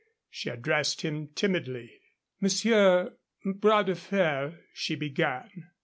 She addressed him timidly. "Monsieur er Bras de Fer " she began.